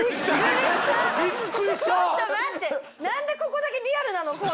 何でここだけリアルなの？